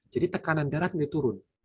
jadi tekanan darah ini turun